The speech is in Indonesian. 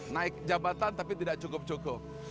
naik jabatan tapi tidak cukup cukup